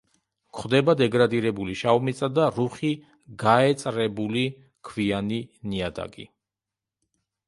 გვხვდება დეგრადირებული შავმიწა და რუხი გაეწრებული ქვიანი ნიადაგი.